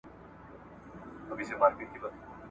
دې ښکاري ته رسېدلی یو کمال وو `